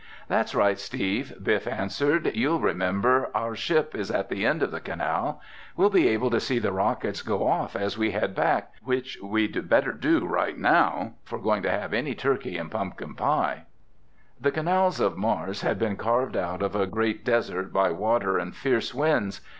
"That's right, Steve," Biff answered. "You'll remember, our ship is at the end of the canal. We'll be able to see the rockets go off as we head back—which we'd better do right now, if we're going to have any turkey and pumpkin pie!" The canals of Mars had been carved out of a great desert by water and fierce winds.